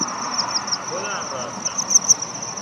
خودم رفتم.